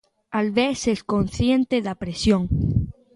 Albés é consciente da presión.